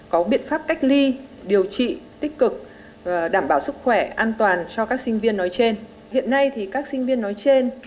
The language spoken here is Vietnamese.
có biện pháp cách ly điều trị tích cực và đảm bảo sức khỏe an toàn cho các sinh viên nói trên